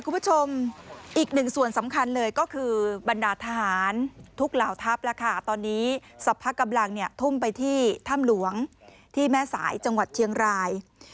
คุณผู้ชมอีกหนึ่งส่วนสำคัญเลยก็คือบรรดาทหารทุกเหล่าทัพแล้วค่ะตอนนี้สรรพกำลังเนี่ยทุ่มไปที่ถ้ำหลวงที่แม่สายจังหวัดเชียงราย